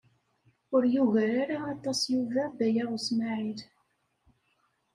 Ur yugar ara aṭas Yuba Baya U Smaɛil.